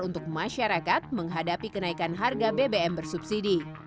untuk masyarakat menghadapi kenaikan harga bbm bersubsidi